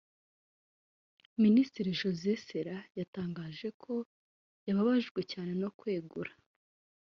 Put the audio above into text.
Minisitiri Jose Serra yatangaje ko yababajwe cyane no kwegura